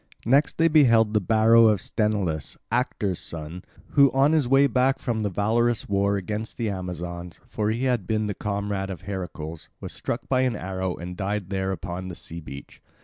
Next they beheld the barrow of Sthenelus, Actor's son, who on his way back from the valorous war against the Amazons—for he had been the comrade of Heracles—was struck by an arrow and died there upon the sea beach.